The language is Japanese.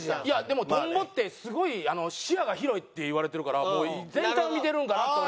でもトンボってすごい視野が広いっていわれてるから全体を見てるんかなと。